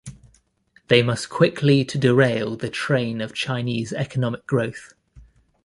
They must quickly to derail the train of Chinese economic growth.